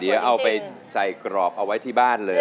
เดี๋ยวเอาไปใส่กรอบเอาไว้ที่บ้านเลย